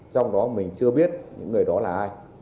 trong đó mình chưa biết những người đó là ai